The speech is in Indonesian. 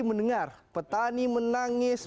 mendengar petani menangis